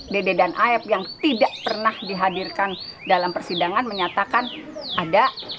dede dan af yang tidak pernah dihadirkan dalam persidangan menyatakan ada